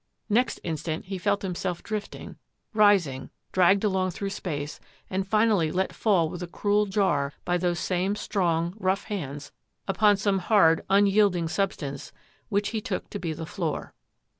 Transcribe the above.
Next in stant he felt himself drifting, rising, dragged along through space and finally let fall with a cruel jar by those same strong, rough hands upon some hard, unyielding substance which he took to be the floor.